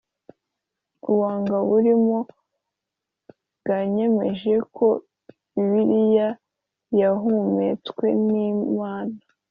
Ubuanga burimo bwanyemeje ko Bibiliya yahumetswe n’Imana